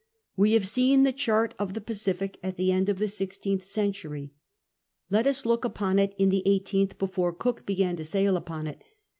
We have seen the chart of the Pacific at the end of the sixteenth century. Let us look at it in the eighteenth before Cook began to sail upon it.